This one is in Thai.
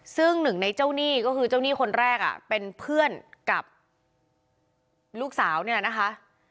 ซึ่งหนึ่งในเจ้าหนี้ก็คือเจ้าหนี้คนแรกเป็นเพื่อนกับลูกสาวนี่แหละนะคะ